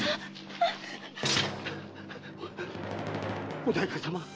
お代官様。